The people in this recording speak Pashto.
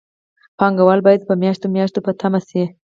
پانګوال باید په میاشتو میاشتو په تمه شي